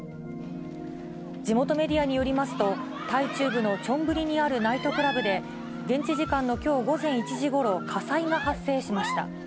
地元メディアによりますと、タイ中部のチョンブリにあるナイトクラブで、現地時間のきょう午前１時ごろ、火災が発生しました。